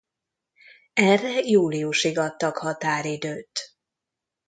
Erre júliusig adtak határidőt.